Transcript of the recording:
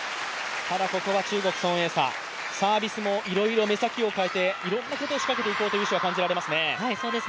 ここは中国、孫エイ莎、サービスもいろいろ目先を変えていろんなことを仕掛けていこうという意思が感じられますね。